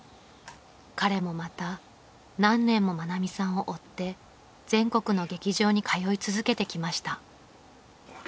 ［彼もまた何年も愛美さんを追って全国の劇場に通い続けてきました］